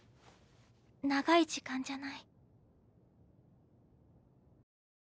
長い時間じゃない。